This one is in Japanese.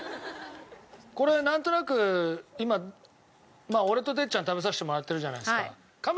これなんとなく今俺と哲ちゃん食べさせてもらってるじゃないですか。